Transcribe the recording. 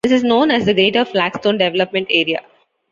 This is known as the Greater Flagstone development area.